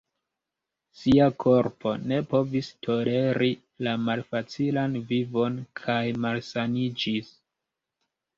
Sia korpo ne povis toleri la malfacilan vivon kaj malsaniĝis.